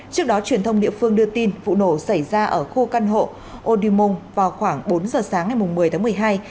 trước đó truyền thông địa phương đưa tin vụ nổ xảy ra ở khu căn hộ old demon vào khoảng bốn giờ sáng ngày một mươi một mươi hai